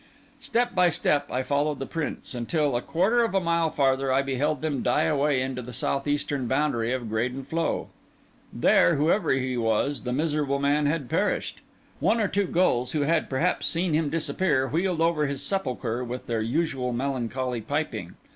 Step by step I followed the prints; until, a quarter of a mile farther, I beheld them die away into the south eastern boundary of Graden Floe. There, whoever he was, the miserable man had perished. One or two gulls, who had, perhaps, seen him disappear, wheeled over his sepulchre with their usual melancholy piping.